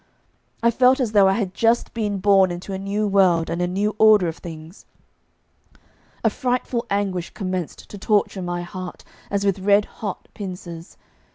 I felt as though I had just been born into a new world and a new order of things. A frightful anguish commenced to torture my heart as with red hot pincers.